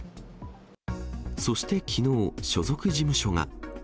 そしてきのう、所属事務所が。